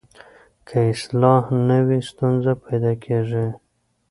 که اصلاح نه وي ستونزه پیدا کېږي.